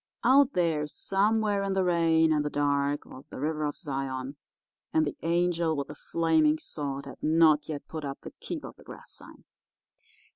Out there somewhere in the rain and the dark was the river of Zion, and the angel with the flaming sword had not yet put up the keep off the grass sign.